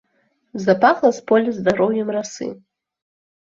Запахла з поля здароўем расы.